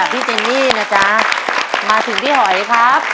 พี่เจนนี่นะจ๊ะมาถึงพี่หอยครับ